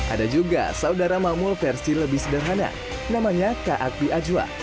ada juga saudara mamul versi lebih sederhana namanya kaakbi ajwa